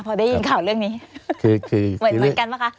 พอได้ยินข่าวเรื่องนี้คือเหมือนกันป่ะคะ